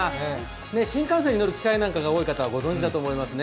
新幹線に乗る機会の多い方はご存じだと思います。